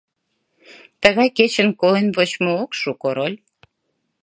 Тыгай кечын колен вочмо ок шу, Король!